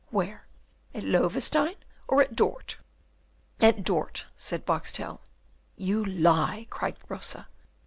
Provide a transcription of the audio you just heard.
Where? At Loewestein, or at Dort?" "At Dort," said Boxtel. "You lie!" cried Rosa.